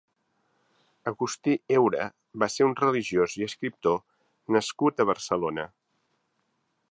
Agustí Eura va ser un religiós i escriptor nascut a Barcelona.